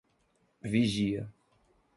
Vigia